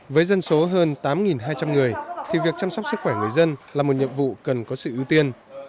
với dân số hơn tám hai trăm linh người thì việc chăm sóc sức khỏe người dân là một nhiệm vụ cần có sự ưu tiên